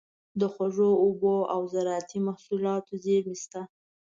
د خوږو اوبو او زارعتي محصولاتو زیرمې شته.